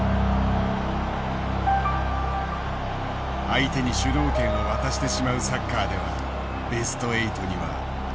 相手に主導権を渡してしまうサッカーではベスト８にはたどりつけない。